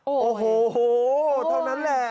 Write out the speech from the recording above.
โอ้โหเท่านั้นแหละ